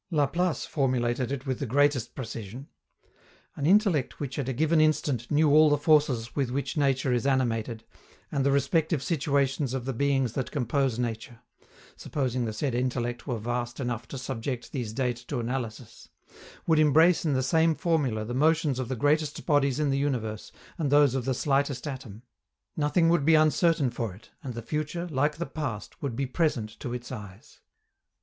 Laplace formulated it with the greatest precision: "An intellect which at a given instant knew all the forces with which nature is animated, and the respective situations of the beings that compose nature supposing the said intellect were vast enough to subject these data to analysis would embrace in the same formula the motions of the greatest bodies in the universe and those of the slightest atom: nothing would be uncertain for it, and the future, like the past, would be present to its eyes."